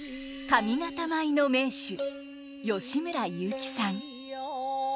上方舞の名手吉村雄輝さん。